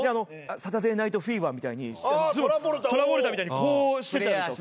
『サタデー・ナイト・フィーバー』みたいにトラボルタみたいにこうしてたりとか。